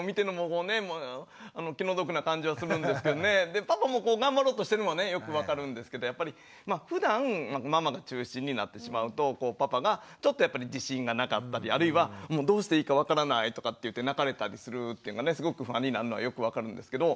でパパも頑張ろうとしてるのはねよく分かるんですけどやっぱりふだんママが中心になってしまうとパパがちょっとやっぱり自信がなかったりあるいはもうどうしていいか分からないとかっていって泣かれたりするとすごく不安になるのはよく分かるんですけど。